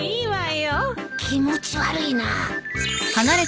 気持ち悪いな